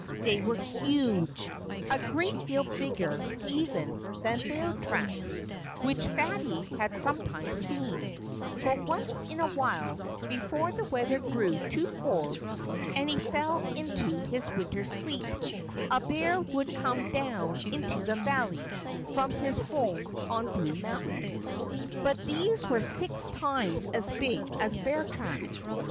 They were huge a great deal bigger, even, than bear tracks, which Fatty had sometimes seen, for once in a while, before the weather grew too cold, and he fell into his winter's sleep, a bear would come down into the valley from his home on Blue Mountain. But these were six times as big as bear tracks.